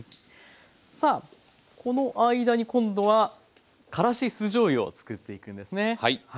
この間に今度はからし酢じょうゆを作っていくんですね。